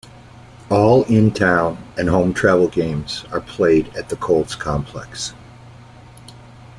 All in-town and home travel games are played at the Kolz Complex.